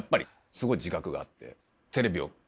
すごい自覚があって。